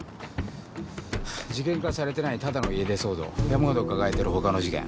事件化されてないただの家出騒動山ほど抱えてる他の事件